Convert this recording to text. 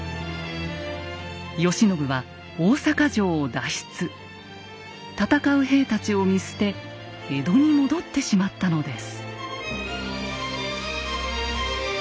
慶喜は戦う兵たちを見捨て江戸に戻ってしまったのです。